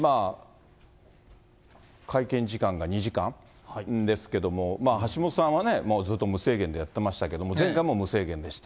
会見時間が２時間ですけども、橋下さんはね、もうずっと無制限でやってましたけど、前回も無制限でした。